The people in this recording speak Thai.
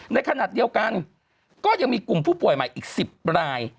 ในขณะเดียวกันก็ยังมีกลุ่มผู้ป่วยใหม่อีก๑๐ราย